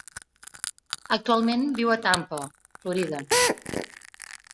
Actualment viu a Tampa, Florida.